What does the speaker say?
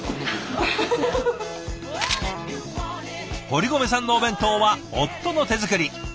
堀籠さんのお弁当は夫の手作り。